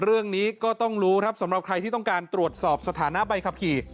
เรื่องนี้ก็ต้องรู้ครับสำหรับใครที่ต้องการตรวจสอบสถานะใบขับขี่